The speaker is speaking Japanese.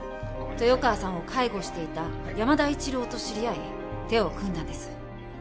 豊川さんを介護していた山田一郎と知り合い手を組んだんです。